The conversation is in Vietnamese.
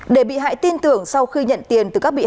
để bị hại tin tưởng sau khi nhận tiền từ các tài sản